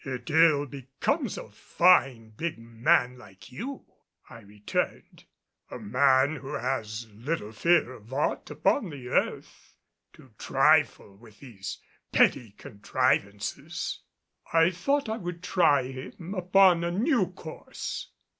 "It ill becomes a fine, big man like you," I returned, "a man who has little fear of aught upon the earth, to trifle with these petty contrivances." I thought I would try him upon a new course.